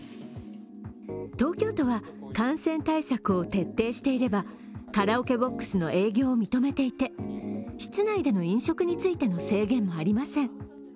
東京都は感染対策を徹底していればカラオケボックスの営業を認めていて室内の飲食についても制限はありません。